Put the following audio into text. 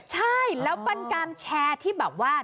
ใช่แล้วเป็นการแชร์ที่แบบว่า